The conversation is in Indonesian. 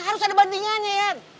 harus ada bandingannya ian